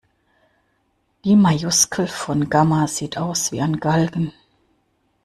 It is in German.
Die Majuskel von Gamma sieht aus wie ein Galgen.